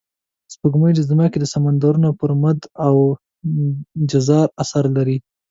سپوږمۍ د ځمکې د سمندرونو پر مد او جزر اثر لري